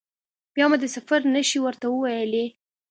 بیا ما د سفر نښې ورته وویلي.